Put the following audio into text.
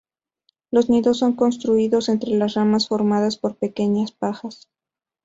Los nidos son construidos entre las ramas formadas por pequeñas pajas.